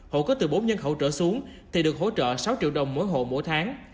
hộ có từ bốn nhân hỗ trợ xuống thì được hỗ trợ sáu triệu đồng mỗi hộ mỗi tháng